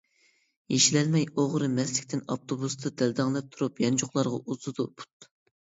يېشىلەلمەي ئوغرى مەستلىكتىن ئاپتوبۇستا دەلدەڭلەپ تۇرۇپ يانچۇقلارغا ئۇزىتىدۇ پۇت.